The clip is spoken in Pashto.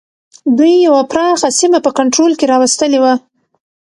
دوی یوه پراخه سیمه په کنټرول کې را وستلې وه.